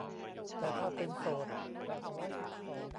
แต่ถ้าเป็นโสด